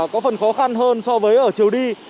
có phần khó khăn hơn so với ở chiều đi